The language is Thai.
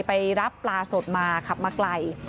ไปรับปลาสดมาขับมาไกล